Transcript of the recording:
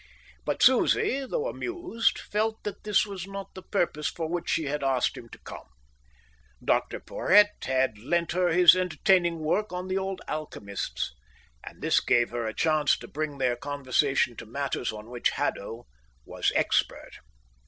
But Susie, though amused, felt that this was not the purpose for which she had asked him to come. Dr Porhoët had lent her his entertaining work on the old alchemists, and this gave her a chance to bring their conversation to matters on which Haddo was expert.